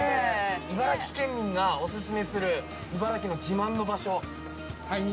茨城県民がお勧めする、茨城の自慢の場所。